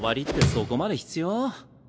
そこまで必要？